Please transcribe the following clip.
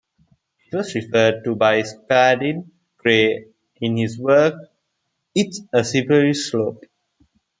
It was referred to by Spalding Gray in his work "It's a Slippery Slope".